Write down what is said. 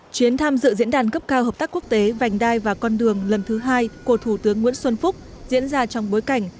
chuyến tham dự diễn đàn cấp cao hợp tác quốc tế vành đai và con đường lần thứ hai của thủ tướng nguyễn xuân phúc diễn ra trong bối cảnh